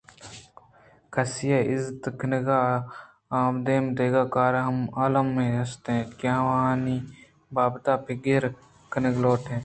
کسے ءِ عزت کنگ ءَ آدیم دگہ کار ہم المّیں است اِنت کہ آوانی بابتءَ پگر کنگ لوٹیت